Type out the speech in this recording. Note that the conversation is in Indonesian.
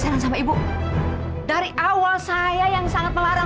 saya gak mau punya menantu seperti dewi